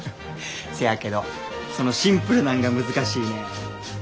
せやけどそのシンプルなんが難しいねん。